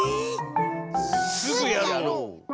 すぐやろう！